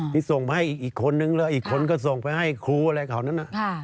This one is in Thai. ที่ส่งมาให้อีกคนนึงแล้วอีกคนก็ส่งไปให้ครูอะไรเขานั้น